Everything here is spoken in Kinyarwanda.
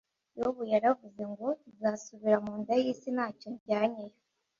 yobu yaravuze ngo nzasubira munda yisi ntacyo jyanye yo